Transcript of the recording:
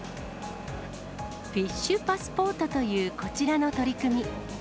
フィッシュパスポートというこちらの取り組み。